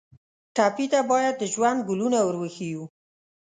ټپي ته باید د ژوند ګلونه ور وښیو.